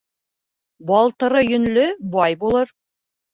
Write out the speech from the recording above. Балтыры йөнлө бай булыр.